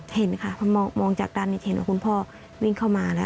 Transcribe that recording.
เห็นค่ะเพราะมองจากด้านนี้เห็นว่าคุณพ่อวิ่งเข้ามาแล้ว